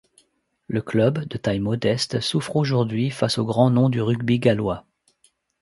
Le club, de taille modeste, souffre aujourd’hui face aux grands noms du rugby gallois.